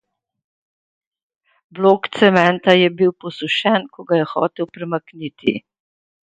Blok cementa je že bil posušen, ko ga je hotel premakniti.